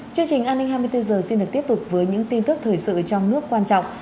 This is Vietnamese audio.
chương trình an ninh hai mươi bốn h xin được tiếp tục với những tin tức thời sự trong nước quan trọng